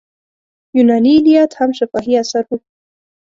یوناني ایلیاد هم شفاهي اثر و.